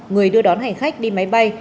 người đưa đón hành khách đi máy bay